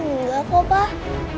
nggak kok pak